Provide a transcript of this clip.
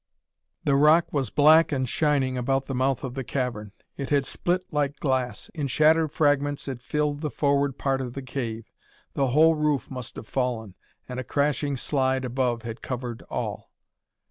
The rock was black and shining about the mouth of the cavern. It had split like glass. In shattered fragments it filled the forward part of the cave. The whole roof must have fallen, and a crashing slide above had covered all.